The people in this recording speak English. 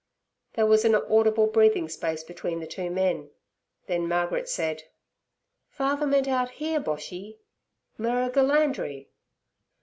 There was an audible breathing space between the two men, then Margaret said: 'Father meant out here, Boshy—Merrigulandri.'